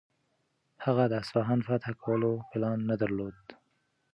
هغه د اصفهان فتح کولو پلان نه درلود.